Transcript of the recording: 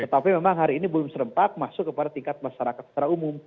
tetapi memang hari ini belum serentak masuk kepada tingkat masyarakat secara umum